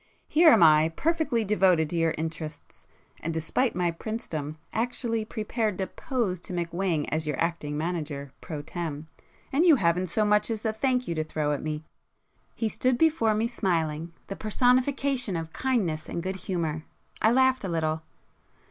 Here am I, perfectly devoted to your interests,—and despite my princedom actually prepared to 'pose' to McWhing as your 'acting manager' pro tem, and you haven't so much as a thank you to throw at me!" He stood before me smiling, the personification of kindness and good humour. I laughed a little.